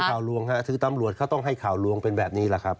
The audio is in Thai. ลวงฮะคือตำรวจเขาต้องให้ข่าวลวงเป็นแบบนี้แหละครับ